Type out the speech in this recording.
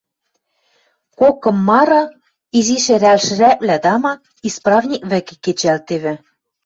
Кок-кым мары, изиш ӹрӓлшӹрӓквлӓ, тама, исправник вӹкӹ кечӓлтевӹ.